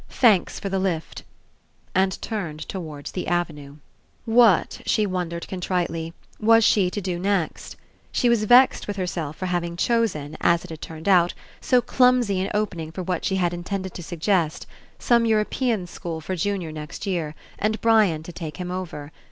"Thanks for the lift," and turned towards the avenue. What, she wondered contritely, was she io6 RE ENCOUNTER '^ to do next? She was vexed with herself for having chosen, as it had turned out, so clumsy an opening for what she had intended to sug gest: some European school for Junior next year, and Brian to take him over.